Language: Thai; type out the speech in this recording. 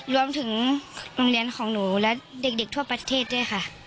รวมถึงโรงเรียนของหนูและเด็กทั่วประเทศด้วยค่ะ